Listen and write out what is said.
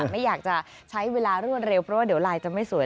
ไม่อยากจะใช้เวลารวดเร็วเพราะว่าเดี๋ยวลายจะไม่สวย